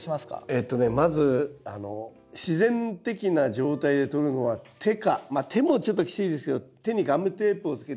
えっとねまず自然的な状態で捕るのは手かまあ手もちょっときついですけど手にガムテープをつけて捕るか。